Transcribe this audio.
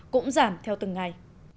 cũng giảm theo từng ngày